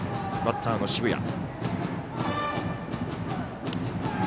バッターの澁谷。